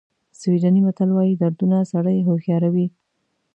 سویډني متل وایي دردونه سړی هوښیاروي.